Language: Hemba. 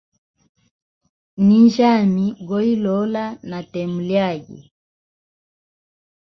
Nyinjyami goilola na temo lyage.